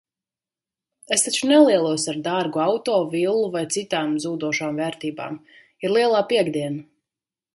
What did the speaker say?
Es taču nelielos ar dārgu auto, villu vai citām zūdošām vērtībām. Ir lielā piektdiena.